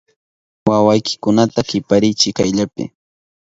¡Wawaykikunata kiparichiy kayllapi!